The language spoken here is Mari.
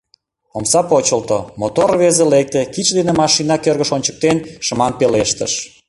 Омса почылто, мотор рвезе лекте, кидше дене машина кӧргыш ончыктен, шыман пелештыш: